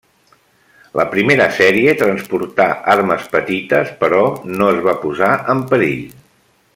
La primera sèrie transportà armes petites, però no es va posar en perill.